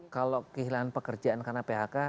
kalau kehilangan pekerjaan karena phk